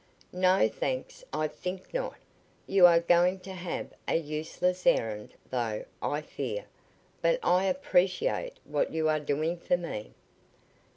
"No, thanks. I think not. You are going to have a useless errand, though, I fear, but I appreciate what you are doing for me."